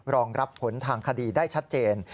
รองรับผลทางคดีได้ชัดเจน